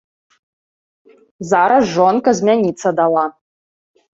Зараз жонка змяніцца дала.